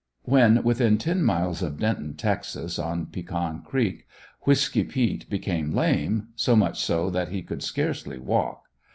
When within ten miles of Denton, Texas, on Pecan creek, Whisky peet became lame so much so that he could scarcely walk.